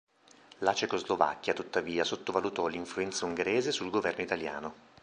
La Cecoslovacchia tuttavia sottovalutò l'influenza ungherese sul governo italiano.